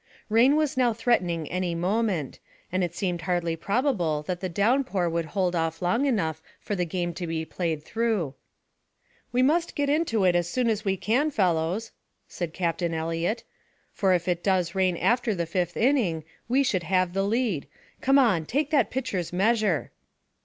Rain was now threatening any moment, and it seemed hardly probable that the downpour would hold off long enough for the game to be played through. "We must get into it as soon as we can, fellows," said Captain Eliot; "for if it does rain after the fifth inning, we should have the lead. Come on; take that pitcher's measure."